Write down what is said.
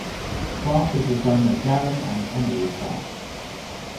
Clark is the son of Darren and Emily Clark.